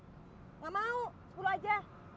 nggak mau sepuluh aja